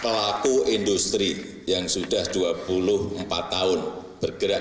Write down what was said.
pelaku industri yang sudah dua puluh empat tahun bergerak